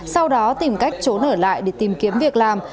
sau đó tìm cách trốn ở lại để tìm kiếm việc làm